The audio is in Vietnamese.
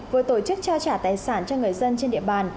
vừa tổ chức trao trả tài sản cho người dân trên địa bàn